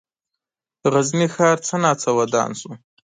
غزني ښار څه ناڅه ودان شو.